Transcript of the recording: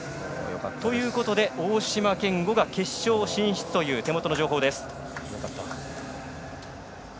ということで大島健吾、決勝進出という手元の情報です。